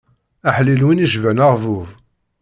Aḥlil win icban aɣbub.